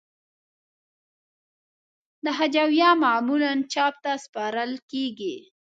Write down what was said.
دا هجویه معمولاً چاپ ته سپارل کیږی.